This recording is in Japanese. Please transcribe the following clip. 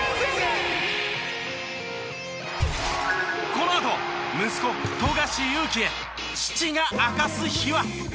このあと息子富樫勇樹へ父が明かす秘話。